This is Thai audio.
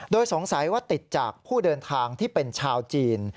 โดยสงสัยว่าติดจากผู้เดินทางที่เป็นชาวจีน